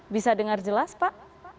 bisa dengar jelas pak